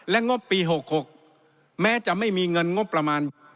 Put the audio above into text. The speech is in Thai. งบปี๖๖แม้จะไม่มีเงินงบประมาณ